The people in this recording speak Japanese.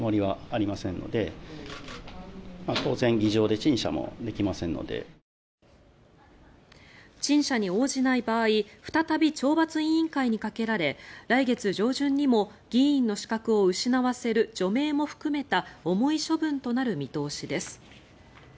陳謝に応じない場合再び懲罰委員会にかけられ来月上旬にも議員の資格を失わせる除名も含めた重い処分となる見通しです。